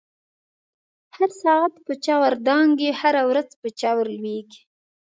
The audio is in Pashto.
هر ساعت په چاور دانگی، هره ورځ په چا ورلویږی